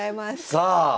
さあ。